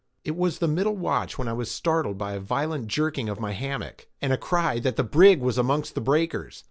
It was the middle watch, when I was startled by a violent jerking of my hammock, and a cry "that the brig was amongst the breakers."